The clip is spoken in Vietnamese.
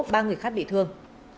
ba người khác bị thương